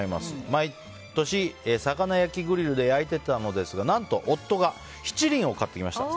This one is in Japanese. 毎年、魚焼きグリルで焼いてたのですが何と、夫が七輪を買ってきました。